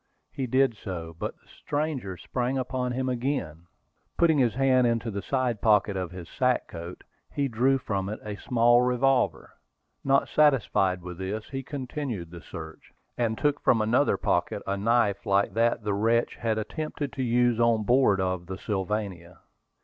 He did so; but the stranger sprang upon him again. Putting his hand into the side pocket of his sack coat, he drew from it a small revolver. Not satisfied with this, he continued the search, and took from another pocket a knife like that the wretch had attempted to use on board of the Sylvania.